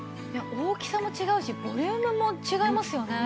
大きさも違うしボリュームも違いますよね。